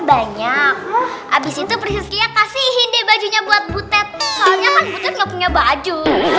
banyak habis itu priscilia kasih hindi bajunya buat butet soalnya kan butet gak punya baju